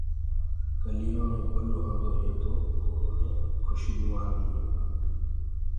ڪليوٚ دي گُل هوندو هي تو اُرو مي کُسبوُ آندي هي۔